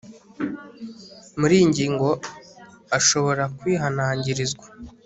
muri iyi ngingo ashobora kwihanangirizwa